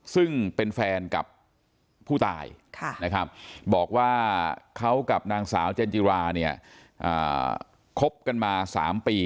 ซึ่งเป็นแฟนกับผู้ตายนะครับบอกว่าเขากับนางสาวเจนจิราเนี่ยคบกันมา๓ปี